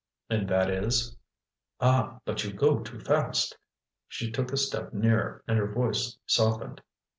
"And that is?" "Ah! but you go too fast!" She took a step nearer and her voice softened.